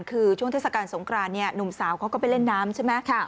คือช่วงเทศกาลสงครานหนุ่มสาวเขาก็ไปเล่นน้ำใช่ไหม